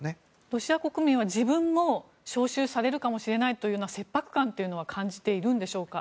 ロシア国民は、自分も招集されるかもしれないという切迫感というのは感じているんでしょうか。